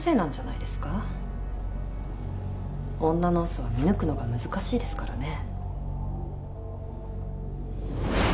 女の嘘は見抜くのが難しいですからね。